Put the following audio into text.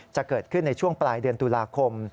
จะเกิดขึ้นในช่วงปลายเดือนตุลาคม